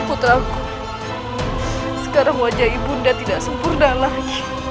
puteraku sekarang wajah ibu nda tidak sempurna lagi